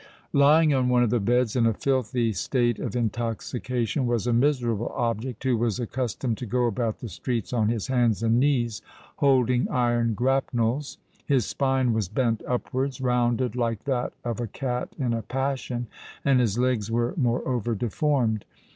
Lying on one of the beds, in a filthy state of intoxication, was a miserable object who was accustomed to go about the streets on his hands and knees, holding iron grapnels. His spine was bent upwards—rounded like that of a cat in a passion; and his legs were moreover deformed.